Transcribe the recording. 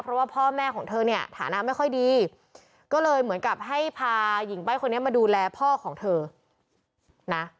เพราะว่าพ่อแม่ของเธอเนี่ยฐานะไม่ค่อยดีก็เลยเหมือนกับให้พาหญิงใบ้คนนี้มาดูแลพ่อของเธอนะ